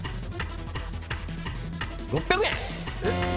６００円。